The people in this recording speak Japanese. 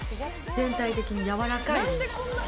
全体的にやわらかい印象